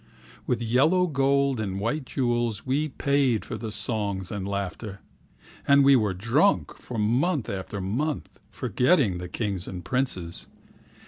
With yellow gold and white jewelswe paid for the songs and laughter, And we were drunk for month after month, forgetting the kings and princes.